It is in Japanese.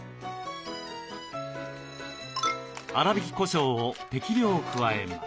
粗びきこしょうを適量加えます。